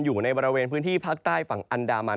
อยู่ในบริเวณพื้นที่ภาคใต้ฝั่งอันดามัน